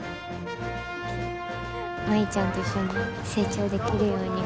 舞ちゃんと一緒に成長できるように。